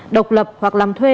độc lập hoặc làm thuê